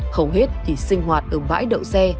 không hết thì sinh hoạt ở vãi đậu xe